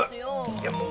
いやもう。